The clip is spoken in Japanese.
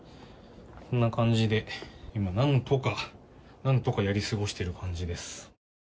こんな感じで今、何とかやり過ごしている感じです。